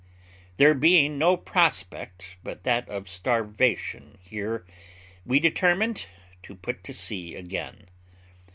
'There being no prospect but that of starvation here, we determined to put to sea again.